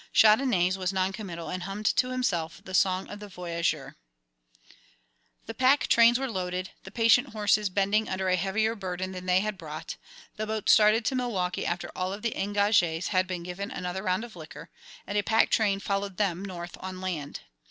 Chandonnais was non committal and hummed to himself the song of the voyageur. The pack trains were loaded, the patient horses bending under a heavier burden than they had brought; the boats started to Milwaukee after all of the engagés had been given another round of liquor, and a pack train followed them north on land.